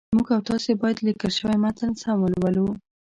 موږ او تاسي باید لیکل شوی متن سم ولولو